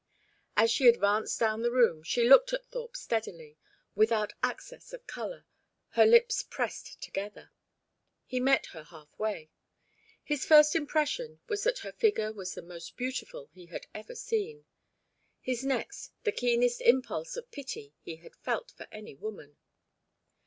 As she advanced down the room, she looked at Thorpe steadily, without access of colour, her lips pressed together. He met her half way. His first impression was that her figure was the most beautiful he had ever seen, his next the keenest impulse of pity he had felt for any woman.